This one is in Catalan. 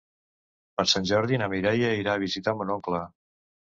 Per Sant Jordi na Mireia irà a visitar mon oncle.